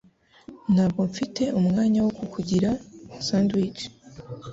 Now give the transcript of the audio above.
Ntabwo mfite umwanya wo kukugira sandwich